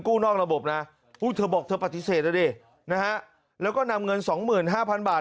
กู้นอกระบบนะเธอบอกเธอปฏิเสธแล้วดินะฮะแล้วก็นำเงินสองหมื่นห้าพันบาท